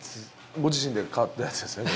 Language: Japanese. ご自身で買ったやつですよね？